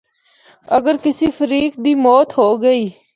اگر کسی فریق دی موت ہو گئی۔